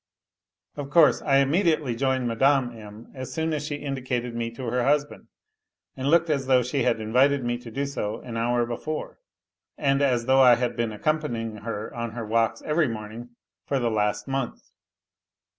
Of course, I immediately joined Mme. M. as soon as sh indicated me to her husband, and looked as though she ha invited me to do so an hour before, and as though I had bee accompanying her on her walks every morning for the lag month.